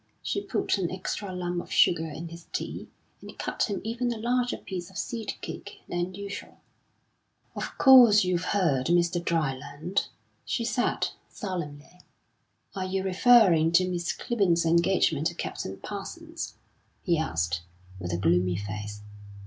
She put an extra lump of sugar in his tea, and cut him even a larger piece of seed cake than usual. "Of course you've heard, Mr. Dryland?" she said, solemnly. "Are you referring to Miss Clibborn's engagement to Captain Parsons?" he asked, with a gloomy face.